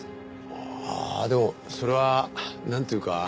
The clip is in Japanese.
ああでもそれはなんというか。